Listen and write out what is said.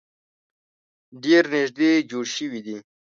ډیر نیږدې جوړ شوي دي.